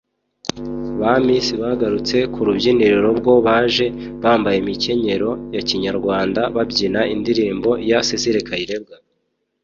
Ba Miss bagarutse ku rubyiniro bwo baje bambaye imikenyero ya Kinyarwanda babyina indirimbo ya Cecile Kayirebwa